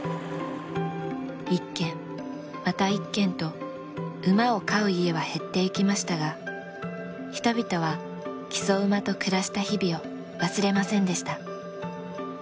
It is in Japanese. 一軒また一軒と馬を飼う家は減っていきましたが人々は木曽馬と暮らした日々を忘れませんでした。